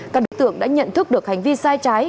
các đối tượng đã nhận thức được hành vi sai trái